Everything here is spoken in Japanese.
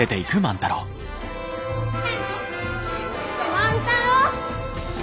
万太郎！